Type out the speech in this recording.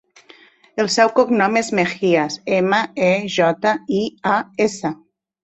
El seu cognom és Mejias: ema, e, jota, i, a, essa.